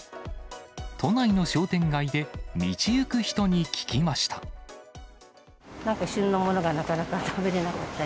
都内の商店街で道行く人に聞きました。